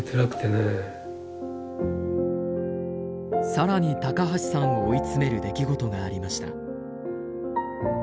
更に高橋さんを追い詰める出来事がありました。